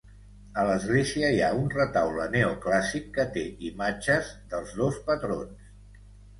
A l'església hi ha un retaule neoclàssic que té imatges dels dos patrons.